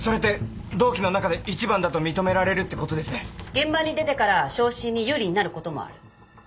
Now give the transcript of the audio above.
現場に出てから昇進に有利になることもある。